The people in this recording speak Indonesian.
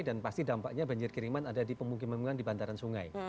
dan pasti dampaknya banjir kiriman ada di pemungkiman pemungkiman di bantaran sungai